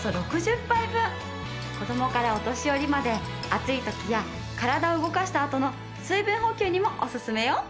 子どもからお年寄りまで暑い時や体を動かしたあとの水分補給にもおすすめよ！